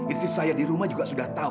istri saya di rumah juga sudah tahu